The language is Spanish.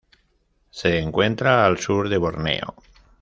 Se encuentra al sur de Borneo.